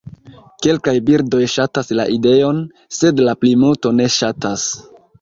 Kelkaj birdoj ŝatas la ideon, sed la plimulto ne ŝatas.